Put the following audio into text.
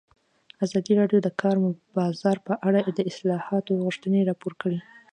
ازادي راډیو د د کار بازار په اړه د اصلاحاتو غوښتنې راپور کړې.